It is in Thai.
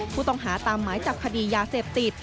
ผู้ต้องหาตามหมายจับคดียาเสพติด